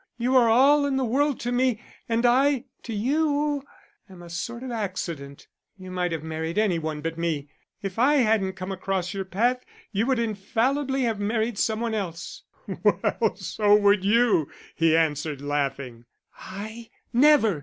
You are all in the world to me, and I, to you, am a sort of accident: you might have married any one but me. If I hadn't come across your path you would infallibly have married somebody else." "Well, so would you," he answered, laughing. "I? Never!